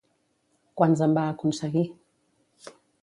Quants en va aconseguir?